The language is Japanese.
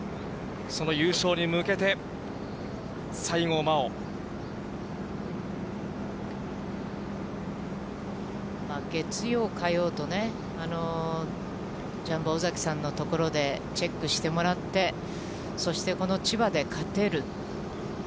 その優勝に向けて、西郷真央。月曜、火曜とね、ジャンボ尾崎さんの所でチェックしてもらって、そして、この千葉で勝てる。